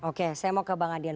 oke saya mau ke bang adian